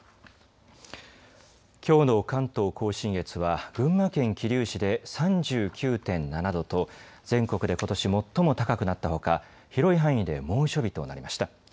きょうの関東甲信越は群馬県桐生市で３９．７度と全国でことし最も高くなったほか広い範囲で猛暑日となりました。